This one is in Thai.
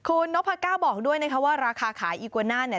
คุณนพก้าบอกด้วยว่าราคาขายอีกวาหน้า